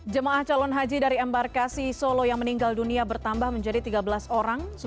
jemaah calon haji dari embarkasi solo yang meninggal dunia bertambah menjadi tiga belas orang